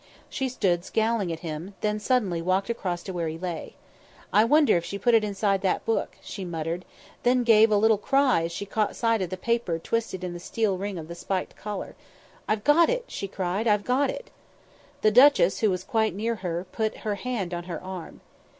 She stood scowling at him, then suddenly walked across to where he lay. "I wonder if she put it inside that book," she muttered; then gave a little cry as she caught sight of the paper twisted in the steel ring of the spiked collar. "I've got it!" she cried. "I've got it!" The duchess, who was quite near her, put her hand on her arm.